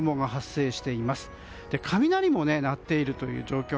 そして、雷も鳴っているという状況